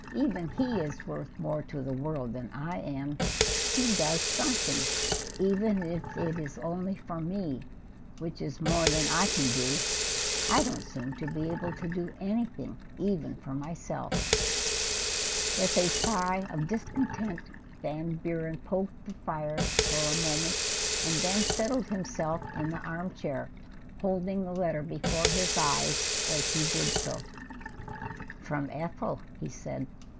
"Even he is worth more to the world than I am. He does something, even if it is only for me, which is more than I can do. I don't seem to be able to do anything even for myself." With a sigh of discontent, Van Buren poked the fire for moment and then settled himself in the armchair, holding the letter before his eyes as he did so. "From Ethel," he said.